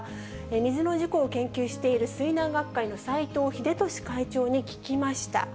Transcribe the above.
水の事故を研究している水難学会の斎藤秀俊会長に聞きました。